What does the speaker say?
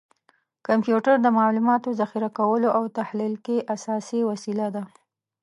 کمپیوټر د معلوماتو ذخیره کولو او تحلیل کې اساسي وسیله ده.